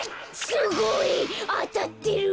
すごい！あたってる！